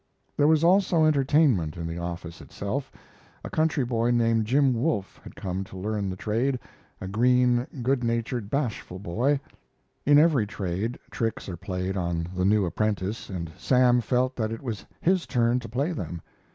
There was also entertainment in the office itself. A country boy named Jim Wolfe had come to learn the trade a green, good natured, bashful boy. In every trade tricks are played on the new apprentice, and Sam felt that it was his turn to play them.